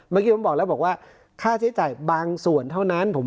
เมื่อกี้ผมบอกแล้วบอกว่าค่าใช้จ่ายบางส่วนเท่านั้น